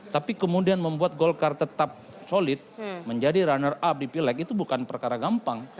tapi kemudian membuat golkar tetap solid menjadi runner up di pileg itu bukan perkara gampang